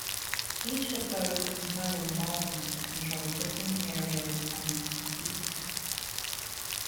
Each of these component armies controlled different areas and cities.